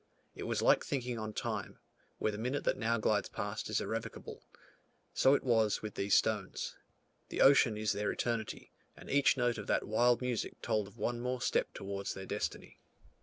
It was like thinking on time, where the minute that now glides past is irrevocable. So was it with these stones; the ocean is their eternity, and each note of that wild music told of one more step towards their destiny.